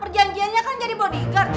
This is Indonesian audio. perjanjiannya kan jadi bodyguard